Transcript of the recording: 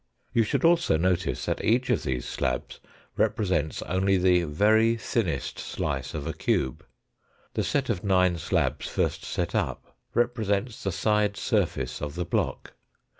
You should also notice that each of these slabs represents only the very thinnest slice of a cube. The set of nine slabs first set up represents the side surface of the block.